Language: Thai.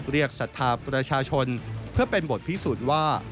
ศรัทธาประชาชนเพื่อเป็นบทพิสูจน์ว่า